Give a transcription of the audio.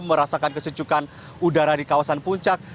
merasakan kesecukan udara di kawasan puncak